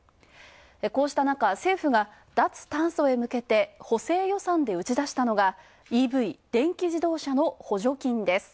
こうしたなか、政府が脱炭素へ向けて、補正予算で打ち出したのがＥＶ＝電気自動車の補助金です。